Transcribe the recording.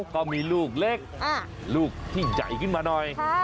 ก็มีลูกเล็กลูกที่ใหญ่ขึ้นมาหน่อย